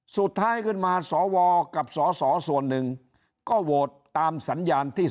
สุดท้ายขึ้นมาสวกับสสส่วนหนึ่งก็โหวตตามสัญญาณที่